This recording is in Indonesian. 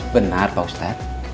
benar pak ustadz